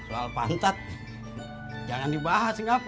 soal pantat jangan dibahas kenapa